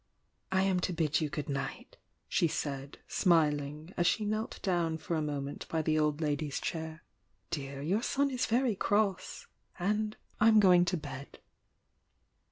"I am to bid you good night!" she said, smiling, as she knelt down for a moment by the old lady's chair. "Dear, your son is very cross! — and I'm go ing to bed!"